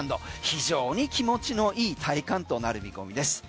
非常に気持ちの良い体感となる見込みです。